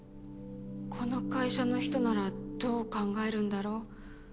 この会社の人ならどう考えるんだろう？